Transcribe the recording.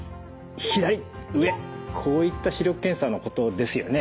こういった視力検査のことですよね？